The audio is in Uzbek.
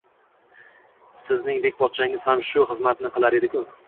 Sizning bek pochchangiz ham shu xizmatni qilar edi-ku?”